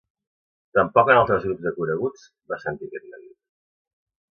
Tampoc en altres grups de coneguts va sentir aquest neguit.